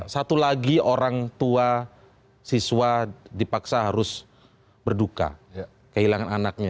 satu lagi orang tua siswa dipaksa harus berduka kehilangan anaknya